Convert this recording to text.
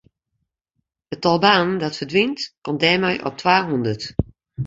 It tal banen dat ferdwynt komt dêrmei op twahûndert.